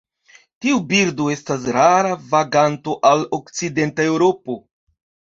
Tiu birdo estas rara vaganto al okcidenta Eŭropo.